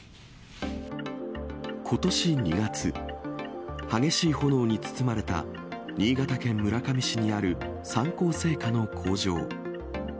ことし２月、激しい炎に包まれた、新潟県村上市にある三幸製菓の工場。